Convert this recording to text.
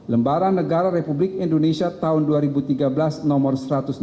lembaran negara republik indonesia tahun dua ribu tiga belas nomor satu ratus enam puluh